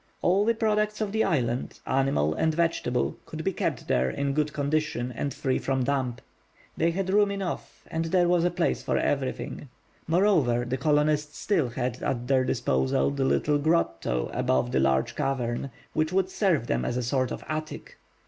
All the products of the island, animal and vegetable, could be kept there in good condition and free from damp. They had room enough, and there was a place for everything. Moreover, the colonists still had at their disposal the little grotto above the large cavern, which would serve them as a sort of attic.